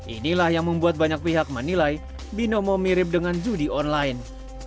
inilah yang membuat banyak pihak menilai binomo mirip dengan judi online